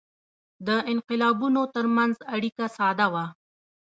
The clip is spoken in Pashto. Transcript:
د انقلابونو ترمنځ اړیکه ساده وه.